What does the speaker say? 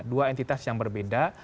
dua entitas yang berbeda